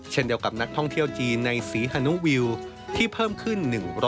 เช่นเดียวกับนักท่องเที่ยวจีนในศรีฮานุวิวที่เพิ่มขึ้น๑๐๐